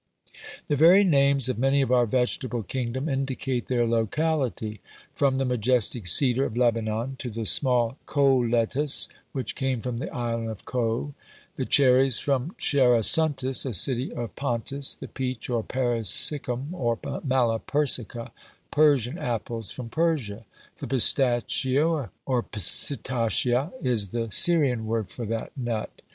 The very names of many of our vegetable kingdom indicate their locality, from the majestic cedar of Lebanon, to the small Cos lettuce, which came from the isle of Cos; the cherries from Cerasuntis, a city of Pontus; the peach, or persicum, or mala Persica, Persian apples, from Persia; the pistachio, or psittacia, is the Syrian word for that nut.